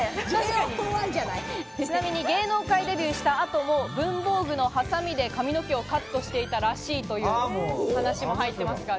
ちなみに芸能界デビューした後も文房具のハサミで髪の毛をカットしていたらしいという話が入っています。